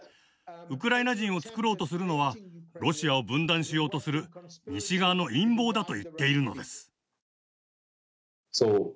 ウクライナ人をつくろうとするのはロシアを分断しようとする西側の陰謀だと言っているのです。